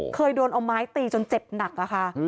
เคยโดนเอาไม้ตีจนเจ็บหนักอะค่ะ